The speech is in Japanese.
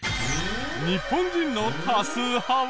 日本人の多数派は？